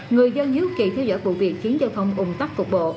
người dân hiếu kỳ theo dõi vụ việc khiến giao thông ủng tắc cục bộ